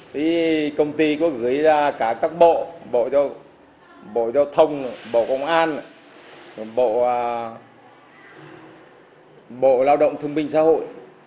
cái công ty có gửi ra cả các bộ bộ giao thông bộ công an bộ lao động thương minh xã hội